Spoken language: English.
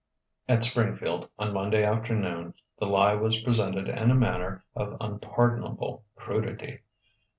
At Springfield, on Monday afternoon, "The Lie" was presented in a manner of unpardonable crudity.